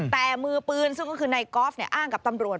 แต่มือปืนซึ่งก็คือนายกอล์ฟอ้างกับตำรวจ